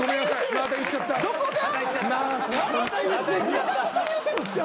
めちゃくちゃ言うてる。